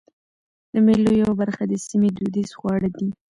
د مېلو یوه برخه د سیمي دودیز خواړه دي.